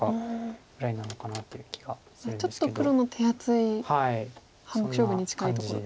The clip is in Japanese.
じゃあちょっと黒の手厚い半目勝負に近いところ。